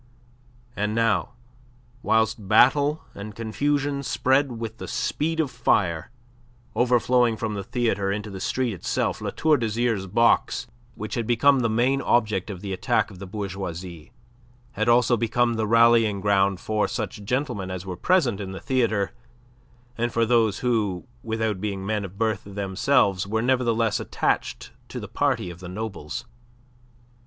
And now, whilst battle and confusion spread with the speed of fire, overflowing from the theatre into the street itself, La Tour d'Azyr's box, which had become the main object of the attack of the bourgeoisie, had also become the rallying ground for such gentlemen as were present in the theatre and for those who, without being men of birth themselves, were nevertheless attached to the party of the nobles.